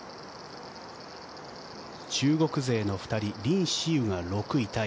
中国勢の２人リン・シユが６位タイ。